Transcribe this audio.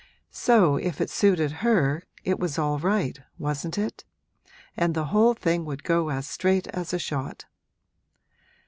So if it suited her it was all right, wasn't it? and the whole thing would go as straight as a shot.